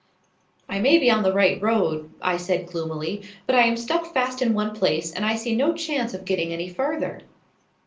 "I may be on the right road," I said gloomily; "but I am stuck fast in one place and I see no chance of getting any farther."